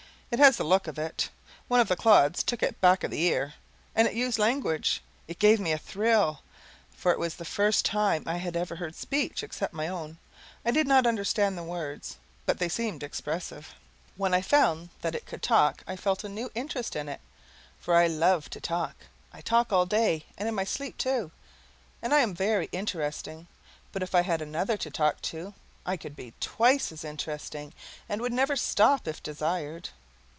It has the look of it. One of the clods took it back of the ear, and it used language. It gave me a thrill, for it was the first time I had ever heard speech, except my own. I did not understand the words, but they seemed expressive. When I found it could talk I felt a new interest in it, for I love to talk; I talk, all day, and in my sleep, too, and I am very interesting, but if I had another to talk to I could be twice as interesting, and would never stop, if desired.